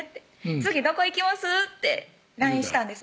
次どこ行きます？」ってＬＩＮＥしたんです